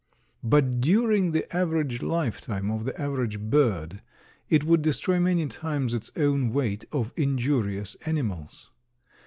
But during the average lifetime of the average bird it would destroy many times its own weight of injurious animals.